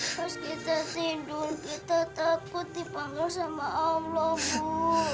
mas kita tidur kita takut dipanggil sama allah ibu